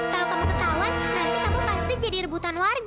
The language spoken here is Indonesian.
kalau kamu ketahuan nanti kamu plastik jadi rebutan warga